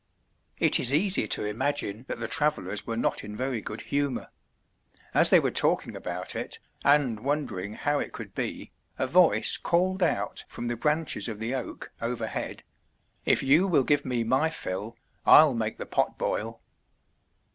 It is easy to imagine that the travellers were not in very good humour. As they were talking about it, and wondering how it could be, a voice called out from the branches of the oak overhead, "If you will give me my fill, I'll make the pot boil."